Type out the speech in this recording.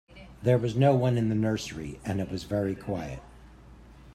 There was no one in the nursery, and it was very quiet.